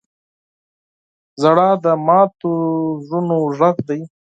• ژړا د ماتو زړونو اواز دی.